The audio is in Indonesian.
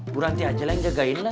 berhenti aja lah yang jagain lah